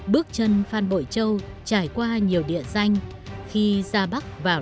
bước chân phan bội châu trải qua nhiều điện thoại